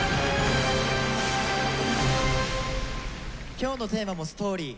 今日のテーマも「ＳＴＯＲＹ」。